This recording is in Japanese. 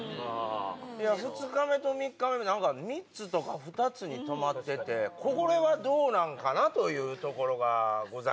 ２日目と３日目なんか３つとか２つに泊まっててこれはどうなんかなというところがございます。